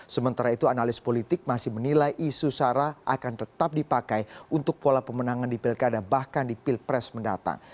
sementara itu analis politik masih menilai isu sara akan tetap dipakai untuk pola pemenangan di pilkada bahkan di pilpres mendatang